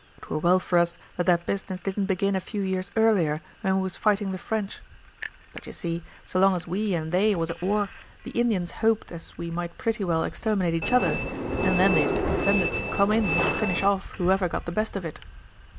It were well for us that that business didn't begin a few years earlier when we was fighting the French; but you see, so long as we and they was at war the Indians hoped as we might pretty well exterminate each other, and then they intended to come in and finish off whoever got the best of it.